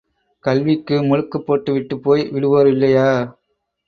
கல்விக்கு முழுக்குப் போட்டுவிட்டுப் போய் விடுவோர் இல்லையா?